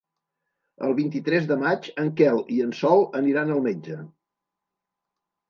El vint-i-tres de maig en Quel i en Sol aniran al metge.